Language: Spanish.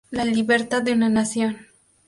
La libertad de una nación".